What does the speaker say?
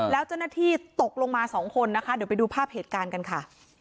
แล้วเจ้าหน้าที่ตกลงมาสองคนนะคะเดี๋ยวไปดูภาพเหตุการณ์กันค่ะ